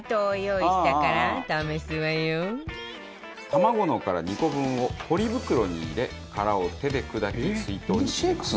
卵の殻２個分をポリ袋に入れ殻を手で砕き水筒に入れます。